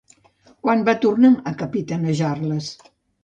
Quan va tornar a capitanejar-les?